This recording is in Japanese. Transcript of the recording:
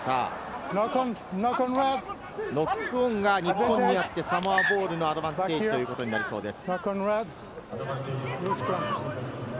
ノックオンが日本にあって、サモアボールのアドバンテージということになりそうです。